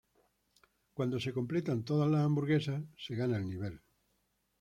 Cuando se completan todas las hamburguesas se gana el nivel.